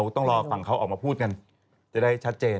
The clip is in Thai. พอฟังเขาออกมาพูดกันจะได้ชัดเจน